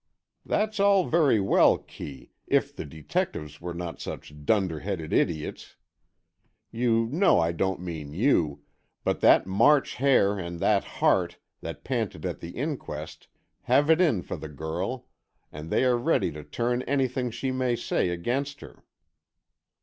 "That's all very well, Kee, if the detectives were not such dunderheaded idiots. You know I don't mean you, but that March Hare and that Hart that panted at the inquest, have it in for the girl, and they are ready to turn anything she may say against her."